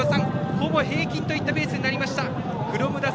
ほぼ平均といったペースになりました。